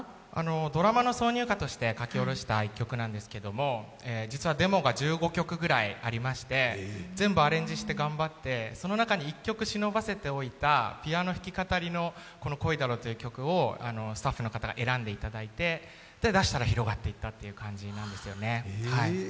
ドラマの挿入歌として書き下ろした曲なんですが実はデモが１５曲ぐらいありまして、全部アレンジして、その中に１曲しのばせて弾いたピアノ引き語りの「恋だろ」という曲をスタッフの方が選んでいただいて、出したら広がっていったという感じなんですね。